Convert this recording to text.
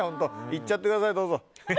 いっちゃってください、どうぞ。